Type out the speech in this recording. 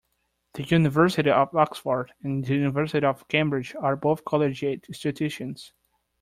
The University of Oxford and the University of Cambridge are both collegiate institutions